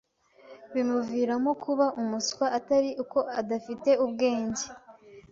bimuviramo kuba umuswa atari uko adafite ubwenge